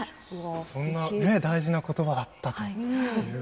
そんな大事なことばだったと。